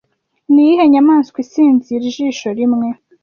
Niyihe nyamaswa isinzira ijisho rimwe